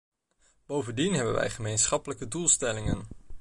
Bovendien hebben wij gemeenschappelijke doelstellingen.